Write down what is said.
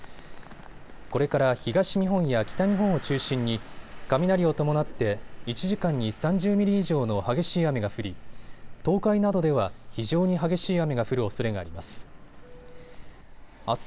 これから東日本や北日本を中心に雷を伴って１時間に３０ミリ以上の激しい雨が降り東海などでは非常に激しい雨が降るおそれがあります。